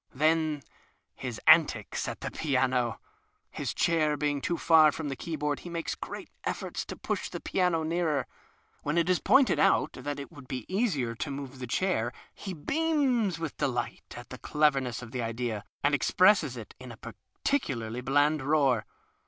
Then his antics at the piano ! His chair being too far from the keyboard he makes great efforts to push the piano nearer. When it is pointed out that it would be easier to move the chair he beams with delight at the cleverness of the idea and expresses it in a pecu liarly bland roar.